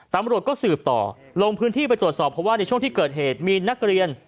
ตำรวจก็สืบต่อลงพื้นที่ไปตรวจสอบเพราะว่าในช่วงที่เกิดเหตุมีนักเรียน